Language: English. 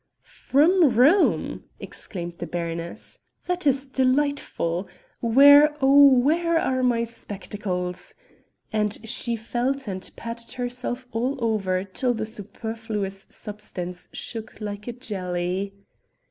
"From Rome!" exclaimed the baroness, "that is delightful. Where, oh where are my spectacles?" And she felt and patted herself all over till the superfluous substance shook like a jelly.